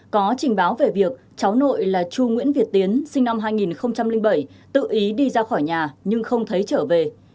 có trình báo về việc cháu nội là chu nguyễn việt tiến sinh năm hai nghìn bảy tự ý đi ra khỏi nhà nhưng không thấy trở về